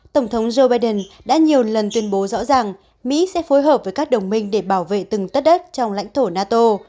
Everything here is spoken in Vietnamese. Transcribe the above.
tổng thống joe biden đã nhiều lần tuyên bố rõ ràng mỹ sẽ phối hợp với các đồng minh để bảo vệ từng tất đất trong lãnh thổ nato